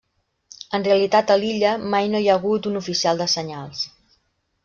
En realitat a l'illa mai no hi ha hagut un oficial de senyals.